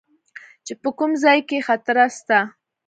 چې په کوم ځاى کښې خطره سته.